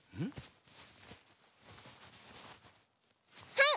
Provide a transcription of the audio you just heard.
はい！